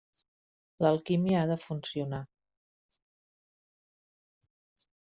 L'alquímia ha de funcionar.